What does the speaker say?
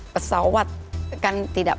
pesawat kan tidak